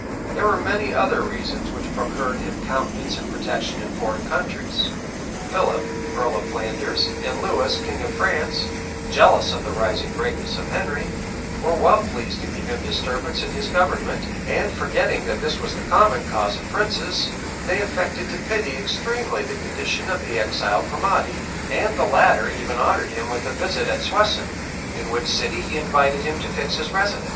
There were many other reasons which procured him countenance and protection in foreign countries. Philip, earl of Flanders,[*] and Lewis, king of France,[] jealous of the rising greatness of Henry, were well pleased to give him disturbance in his government; and forgetting that this was the common cause of princes, they affected to pity extremely the condition of the exiled primate; and the latter even honored him with a visit at Soissons, in which city he had invited him to fix his residence.